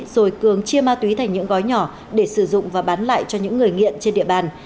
rồi cường chia ma túy thành những gói nhỏ để sử dụng và bán lại cho những người nghiện trên địa bàn